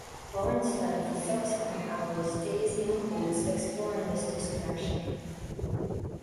Lauren spends the subsequent hours, days and weeks exploring this disconnection.